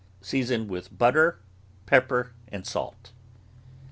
Season with butter, pepper, and salt.